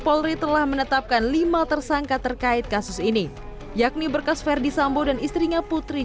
polri telah menetapkan lima tersangka terkait kasus ini yakni berkas verdi sambo dan istrinya putri